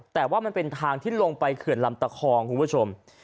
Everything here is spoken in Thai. แต่ว่ามันเป็นทางที่ลงไปเขื่อนลำตะคองคุณผู้ชม